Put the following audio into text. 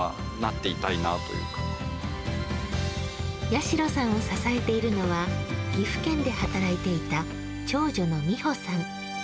八代さんを支えているのは岐阜県で働いていた長女の美歩さん。